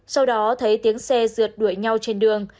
sau đó thấy tiếng xe rượt đuổi nhau trên đường